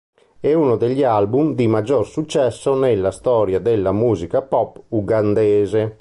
È uno degli album di maggior successo nella storia della musica pop ugandese.